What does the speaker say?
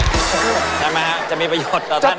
เห็นไหมฮะจะมีประโยชน์ต่อท่านว่าหรือเปล่า